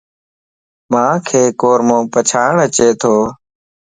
مانک قورمو پڇاڙ اچي تو.